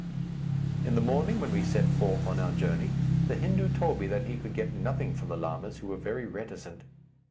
In the morning, when we set forth on our journey, the Hindu told me that he could get nothing from the lamas, who were very reticent.